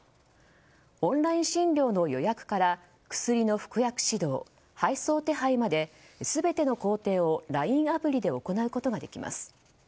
オンライン診療の予約から薬の服薬指導、配送手配まで全ての工程をＬＩＮＥアプリで行うことができます。